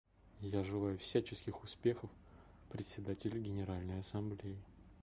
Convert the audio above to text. Я желаю всяческих успехов Председателю Генеральной Ассамблеи.